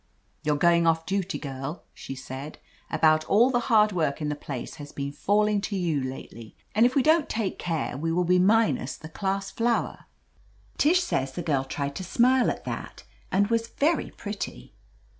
"You're going off duty, girl," she said. "About all the hard work in the place has been falling to you lately, and if we don't take care we will be minus the class flower." Tish says the girl tried to smile at that and was very pretty.